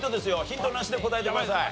ヒントなしで答えてください。